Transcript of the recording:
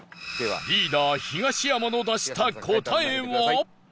リーダー東山の出した答えは？